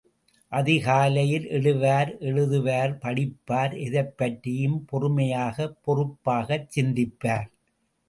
அதிகாலையில் எழுவார் எழுதுவார் படிப்பார் எதைப் பற்றியும் பொறுமையாக, பொறுப்பாகச் சிந்திப்பார்.